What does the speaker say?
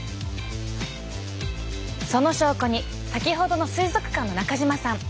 その証拠に先ほどの水族館の中島さん。